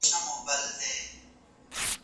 موږ د ښه ژوند له پاره کار وکړ.